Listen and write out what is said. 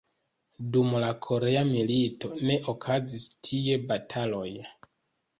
Dum la Korea milito ne okazis tie bataloj.